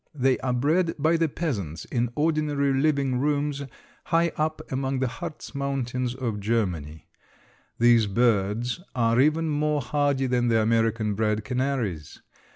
They are bred by the peasants in ordinary living rooms high up among the Hartz Mountains of Germany. These birds are even more hardy than the American bred canaries.